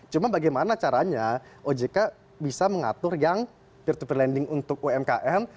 cuma bagaimana caranya ojk bisa mengatur yang peer to peer lending untuk umkm